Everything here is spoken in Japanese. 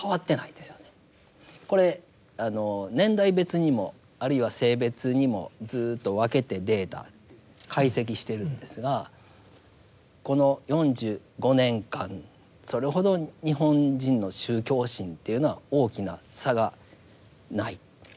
これ年代別にもあるいは性別にもずっと分けてデータ解析しているんですがこの４５年間それほど日本人の宗教心というのは大きな差がない。